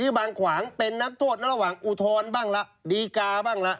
บางขวางเป็นนักโทษระหว่างอุทธรณ์บ้างละดีกาบ้างละ